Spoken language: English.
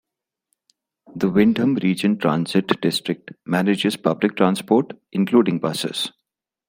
The Windham Region Transit District manages public transport, including buses.